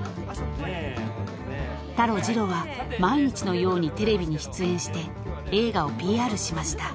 ［タロジロは毎日のようにテレビに出演して映画をＰＲしました］